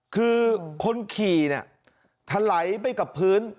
คือคนขี่เนี่ยถลายไปกับพื้น